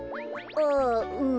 ああうん。